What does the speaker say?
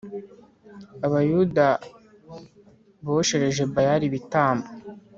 Abayuda boshereje Bayali ibitambo